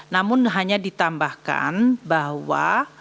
namun hanya ditambahkan bahwa